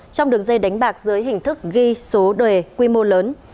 trong đường dây đánh bạc dưới hình thức ghi số đề quy mô lớn